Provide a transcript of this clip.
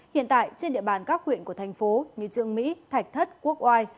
hiện tại trên địa bàn các huyện của thành phố như trương mỹ thạch thất quốc oai